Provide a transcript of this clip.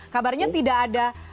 kabarnya tidak ada